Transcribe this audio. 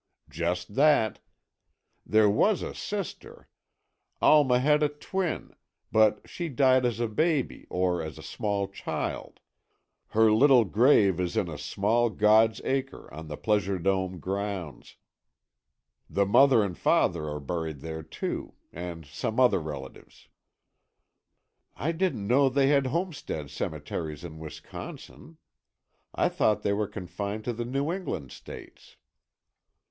"Just that. There was a sister. Alma had a twin. But she died as a baby, or as a small child. Her little grave is in a small God's Acre on the Pleasure Dome grounds. The mother and father are buried there too. And some other relatives." "I didn't know they had homestead cemeteries in Wisconsin. I thought they were confined to the New England states."